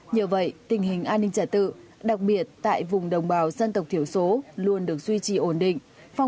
nhờ vậy tình hình an ninh trả tự đặc biệt tại vùng đồng bào dân tộc thiểu số luôn được duy trì ổn định